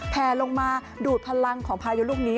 แผลลงมาดูดพลังของพายุลูกนี้